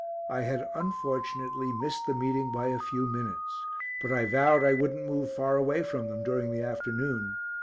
I had unfortunately missed the meeting by a few minutes, but I vowed I wouldn't move far away from them during the afternoon.